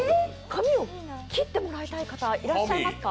髪を切ってもらいたい方、いらっしゃいますか？